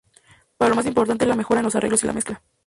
Pero lo más importante es la mejora en los arreglos y la mezcla.